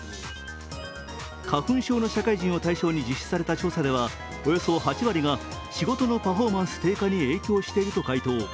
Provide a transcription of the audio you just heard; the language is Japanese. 花粉症の社会人を対象に実施された調査ではおよそ８割が仕事のパフォーマンス低下に影響していると回答。